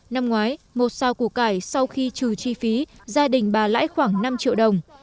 năm ngoái một sao củ cải sau khi trừ chi phí gia đình bà lãi khoảng năm triệu đồng